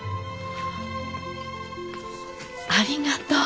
ありがとう。